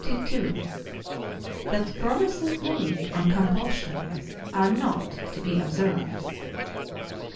—_That Promises made on Compulsion are not to be observed.